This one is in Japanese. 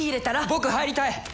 僕入りたい！